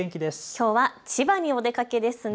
きょうは千葉にお出かけですね。